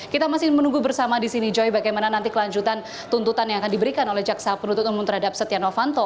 kita masih menunggu bersama di sini joy bagaimana nanti kelanjutan tuntutan yang akan diberikan oleh jaksa penuntut umum terhadap setia novanto